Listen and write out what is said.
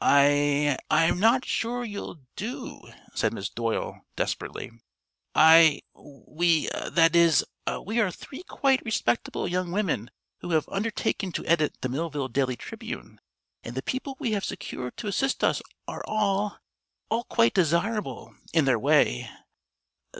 "I I'm not sure you'll do," said Miss Doyle, desperately. "I we that is we are three quite respectable young women who have under taken to edit the Millville Daily Tribune, and the people we have secured to assist us are all all quite desirable, in their way.